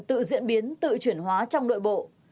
tự diễn biến tự chuyển hóa trong đội bộ